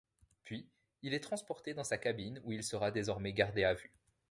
Puis, il est transporté dans sa cabine, où il sera désormais gardé à vue.